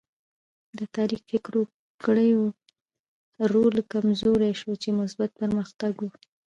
د تاریک فکرو کړیو رول کمزوری شو چې مثبت پرمختګ و.